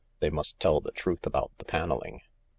They must tell the truth about the panelling.